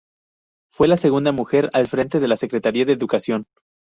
Fue la segunda mujer al frente de la Secretaría de Educación.